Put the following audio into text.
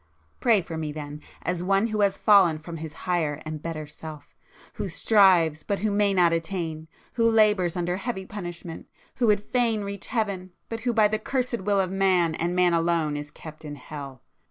Pray for me then, as one who has fallen from his higher and better self,—who strives, but who may not attain,—who labours under heavy punishment,—who would fain reach Heaven, but who by the cursëd will of man, and man alone, is kept in Hell!